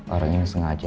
orang yang sengaja